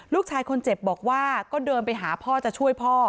ลูกชายคนเจ็บบอกว่าก็เดินไปหาพ่อจะช่วยพ่อ